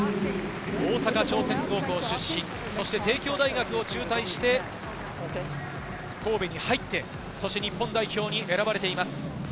大阪朝鮮高校出身、そして帝京大学を中退して、神戸に入って、そして日本代表に選ばれています。